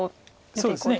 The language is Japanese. そうですね。